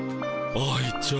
愛ちゃん。